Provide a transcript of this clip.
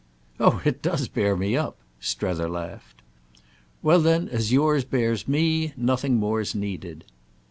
"Oh it does bear me up!" Strether laughed. "Well then as yours bears me nothing more's needed."